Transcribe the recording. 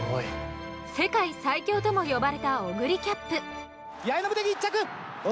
世界最強とも呼ばれたオグリキャップ。